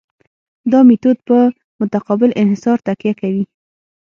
دا میتود په متقابل انحصار تکیه کوي